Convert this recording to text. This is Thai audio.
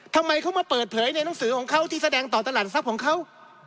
ทำไมเขามาเปิดเผยในหนังสือของเขาที่แสดงต่อตลาดทรัพย์ของเขา